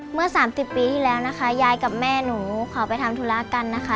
เมื่อ๓๐ปีที่แล้วนะคะยายกับแม่หนูขอไปทำธุระกันนะคะ